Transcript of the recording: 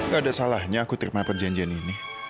gak ada salahnya aku terima perjanjian ini